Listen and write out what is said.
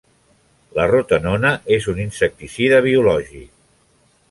La rotenona és un insecticida biològic.